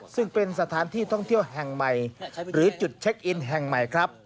ซึ่งเป็นสถานที่ท่องเที่ยวแห่งใหม่หรือจุดเช็คอินแห่งใหม่ครับ